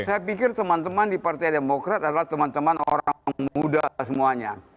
saya pikir teman teman di partai demokrat adalah teman teman orang muda semuanya